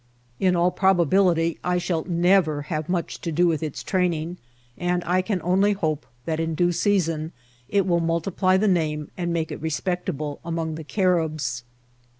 In all probability I shall never have much to do with its training ; and I can only 8S INCIDINTI OF TRATIL. hope that m due season it will multiply the name and make it respectable among the Caribs.